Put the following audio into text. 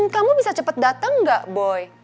kamu bisa cepat datang nggak boy